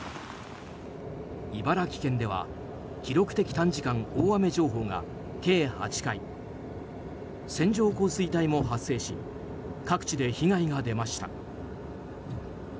茨城県では記録的短時間大雨情報が計８回線状降水帯も発生し各地で被害が出ました。